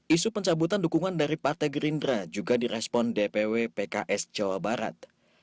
isu pencabutan dukungan dari partai gerindra juga direspon dpw pks jawa barat